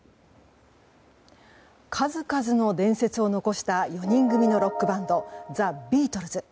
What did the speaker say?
数々の伝説を残した４人組のロックバンドザ・ビートルズ。